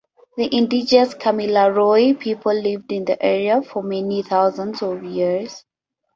The indigenous Kamilaroi people lived in the area for many thousands of years.